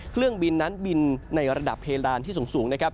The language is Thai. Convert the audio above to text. เครื่องบินนั้นบินในระดับเพดานที่สูงนะครับ